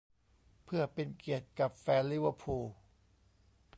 เพื่อเป็นเกียรติกับแฟนลิเวอร์พูล